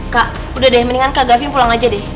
kak udah deh mendingan kak gaving pulang aja deh